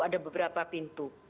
ada beberapa pintu